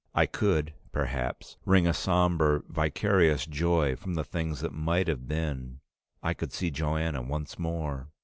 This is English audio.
I could, perhaps, wring a somber, vicarious joy from the things that might have been. I could see Joanna once more!